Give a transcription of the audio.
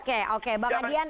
oke oke bang adian